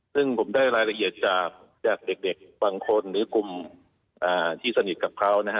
ซึ่งผมได้รายละเอียดจากเด็กบางคนหรือกลุ่มที่สนิทกับเขานะฮะ